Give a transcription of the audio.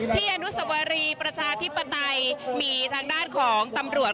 อนุสวรีประชาธิปไตยมีทางด้านของตำรวจ